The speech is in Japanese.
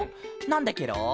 なんでケロ？